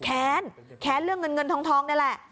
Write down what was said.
แค้นแค้นเรื่องเงินท้องนั่นแหละ